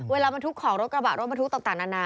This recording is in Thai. บรรทุกของรถกระบะรถบรรทุกต่างนานา